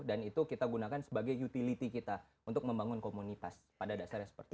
dan itu kita gunakan sebagai utility kita untuk membangun komunitas pada dasarnya seperti itu